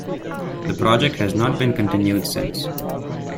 The project has not been continued since.